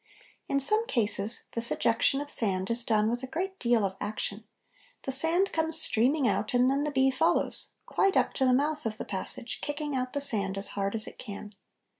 In some cases this ejection of sand is done with a great deal of action: the sand comes streaming out and then the bee follows, quite up to the mouth of the passage, kicking out the sand as hard as it can.